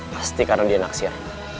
pasti karena dia naksir